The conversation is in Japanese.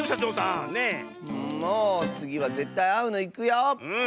んもつぎはぜったいあうのいくよ。